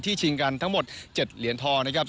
ชิงกันทั้งหมด๗เหรียญทองนะครับ